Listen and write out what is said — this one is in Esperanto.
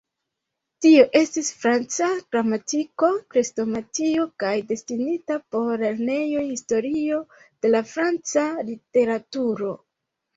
Tio estis franca gramatiko, krestomatio kaj destinita por lernejoj historio de la franca literaturo.